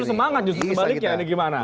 justru semangat justru kebaliknya ini gimana